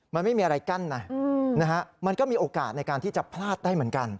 มันไม่มีอะไรกั้นนะมันก็มีโอกาสในการที่จะพลาดได้เหมือนกัน